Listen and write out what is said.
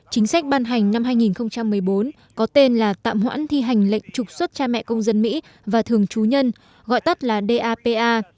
chính sách ban hành năm hai nghìn một mươi bốn có tên là tạm hoãn thi hành lệnh trục xuất cha mẹ công dân mỹ và thường chú nhân gọi tắt là dapa